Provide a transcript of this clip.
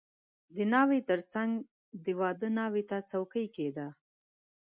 • د ناوې تر څنګ د واده ناوې ته څوکۍ کښېږده.